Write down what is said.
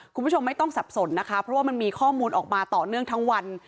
คุณผู้ชมไม่ต้องสับสนนะคะเพราะว่ามันมีข้อมูลออกมาต่อเนื่องทั้งวัน